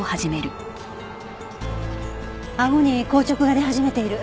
あごに硬直が出始めている。